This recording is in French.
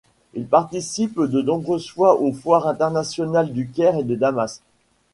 Il participe de nombreuses fois aux Foires Internationales du Caire et de Damas.